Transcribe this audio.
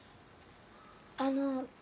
あの。